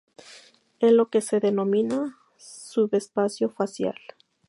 Es lo que se denomina subespacio facial.